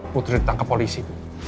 putri ditangkap polisi